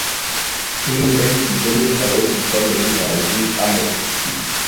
kimiten Kigen ago chito neinyoi biik amut